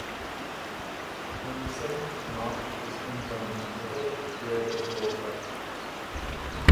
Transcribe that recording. When the seventh knot is undone, the whole thread is rolled up.